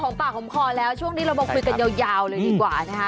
ปากหอมคอแล้วช่วงนี้เรามาคุยกันยาวเลยดีกว่านะคะ